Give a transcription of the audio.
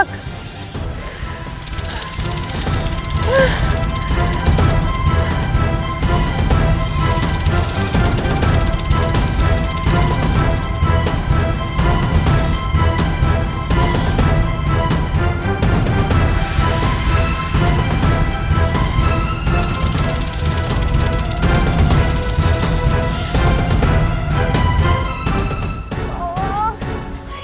hujan seluruh dunia